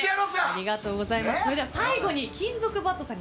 最後に金属バットさん